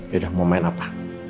yaudah mau main apa